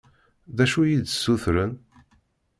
D acu i yi-d-ssutren?